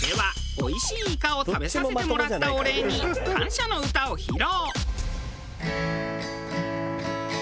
おいしいイカを食べさせてもらったお礼に感謝の歌を披露。